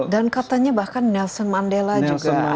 dan katanya bahkan nelson mandela juga ada dikaitkan